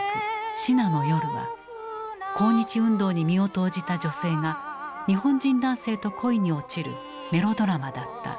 「支那の夜」は抗日運動に身を投じた女性が日本人男性と恋に落ちるメロドラマだった。